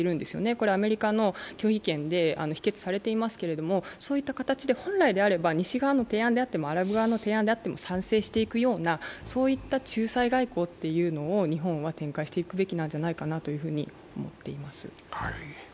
これはアメリカの拒否権で否決されていますけども、そういった形で本来であれば西側の提案であってもアラブ側の提案であっても賛成していくような、そういった仲裁外交というのを日本は展開していくべきなんじゃないかなと思っています。